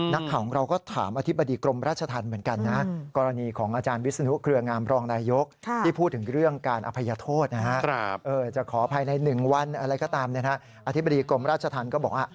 นักข่าวของเราก็ถามอธิบดีกรมราชธรรมเหมือนกัน